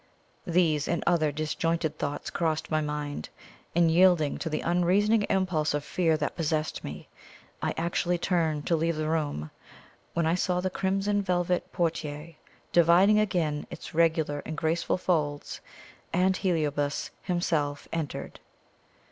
These and other disjointed thoughts crossed my mind; and yielding to the unreasoning impulse of fear that possessed me, I actually turned to leave the room, when I saw the crimson velvet portiere dividing again in its regular and graceful folds, and Heliobas himself entered.